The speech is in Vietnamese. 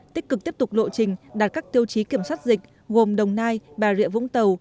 tích cực tiếp tục lộ trình đạt các tiêu chí kiểm soát dịch gồm đồng nai bà rịa vũng tàu